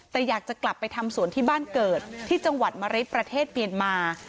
แต่อยากจะกลับไปทำสวนที่บ้านเกิดที่จังหวัดมะริดประเทศเมียนมา